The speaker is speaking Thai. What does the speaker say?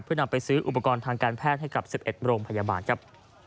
เพื่อนำไปซื้ออุปกรณ์ทางการแพทย์ให้กับ๑๑โรงพยาบาลครับ